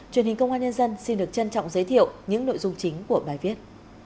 truyền hình công an nhân dân xin được trân trọng giới thiệu những nội dung chính của bài viết